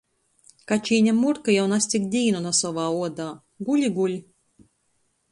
Kačine Murka jau nazcik dīnu na sovā uodā. Guļ i guļ.